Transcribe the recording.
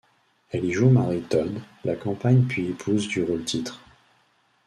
Elle y joue Mary Todd, la compagne puis épouse du rôle titre.